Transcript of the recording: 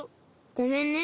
ごめんね。